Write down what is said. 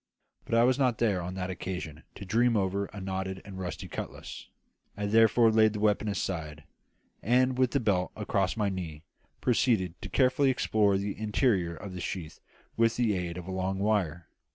But I was not there on that occasion to dream over a notched and rusty cutlass; I therefore laid the weapon aside, and, with the belt across my knees, proceeded to carefully explore the interior of the sheath with the aid of a long wire.